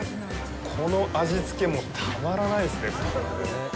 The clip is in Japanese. この味つけ、もうたまらないですね。